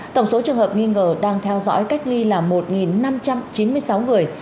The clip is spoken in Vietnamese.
tổng số trường hợp nghi ngờ đang theo dõi cách ly là một năm trăm chín mươi sáu người